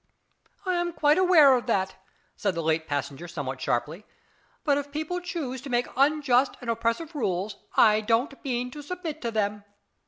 "I am quite aware of that," said the late passenger somewhat sharply, "but if people choose to make unjust and oppressive rules I don't mean to submit to them.